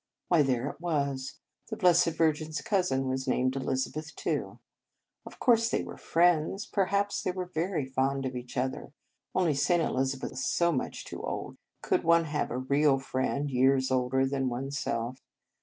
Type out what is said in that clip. Why, there it was! The Blessed Virgin s cousin was named Elizabeth, too. Of course they were friends; perhaps they were very fond of each other; only St. Elizabeth was so much too old. Could one have a real friend, years older than one s self?